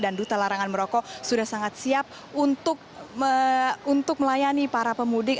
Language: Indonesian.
dan duta larangan berloko sudah sangat siap untuk melayani para pemudik